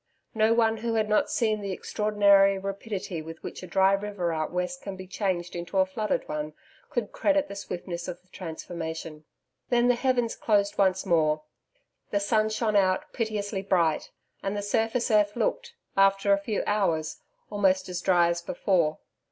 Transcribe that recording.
No one who has not seen the extraordinary rapidity with which a dry river out West can be changed into a flooded one, could credit the swiftness of the transformation. Then the heavens closed once more. The sun shone out pitilessly bright, and the surface earth looked, after a few hours, almost as dry as before.